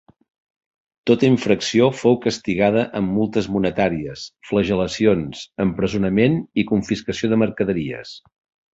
Tota infracció fou castigada amb multes monetàries, flagel·lacions, empresonament i confiscació de mercaderies.